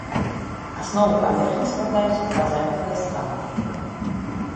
Аснову паверхні складаюць базальтавыя скалы.